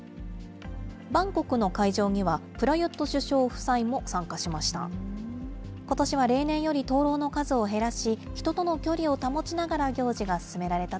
バンコクの会場には、プラユット首相夫妻も参加しました。